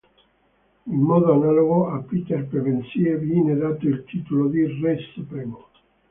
In modo analogo, a Peter Pevensie viene dato il titolo di Re Supremo.